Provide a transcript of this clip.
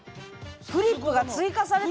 フリップが追加された！